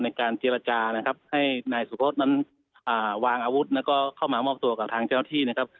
ในการเจรจานะครับให้นายสุพศนั้นวางอาวุธแล้วก็เข้ามามอบตัวกับทางเจ้าหน้าที่นะครับ